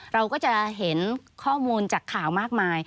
เราก็จะเห็นข้อมูลจากข่าวมากมาย